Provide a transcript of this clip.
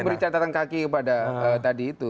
ini beri catatan kaki kepada tadi itu